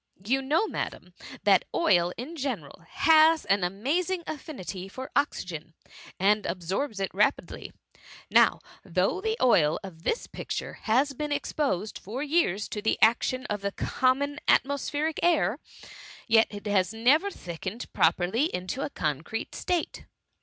You know. Madam, that oil in general has an amazing affinity for oxygen, and ab sorbs it rapidly ; now, though the oil of this picture has been exposed for years to the action of the common atmospheric air, yet it has ne ver thickened properly into a concrete state.""